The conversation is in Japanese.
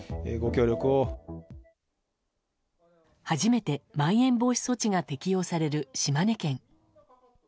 初めて、まん延防止措置が適用される島根県。